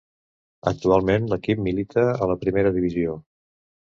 Actualment l'equip milita a la Primera Divisió.